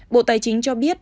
bộ tài chính cho biết